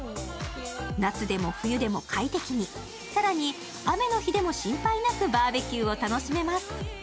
夏でも冬でも快適に、更に雨の日でも心配なくバーベキューを楽しめます。